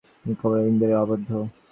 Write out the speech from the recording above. তাহার সুখ-দুঃখ সবই কেবল ইন্দ্রিয়ে আবদ্ধ।